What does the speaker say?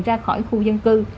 ra khỏi khu dân cư